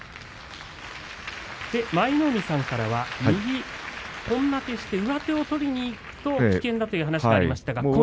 舞の海さんからは上手を取りにいくと危険だという話がありました。